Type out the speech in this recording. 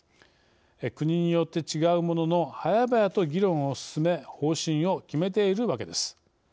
国によって違うものの早々と議論を進め方針を決めているわけです。